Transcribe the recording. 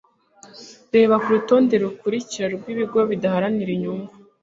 reba ku rutonde rukurikira rw'ibigo bidaharanira inyungu